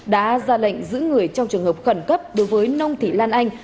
đã ra lệnh giữ người trong trường hợp khẩn cấp đối với nông thị lan anh